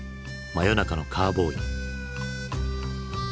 「真夜中のカーボーイ」。